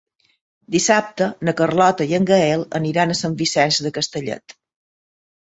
Dissabte na Carlota i en Gaël aniran a Sant Vicenç de Castellet.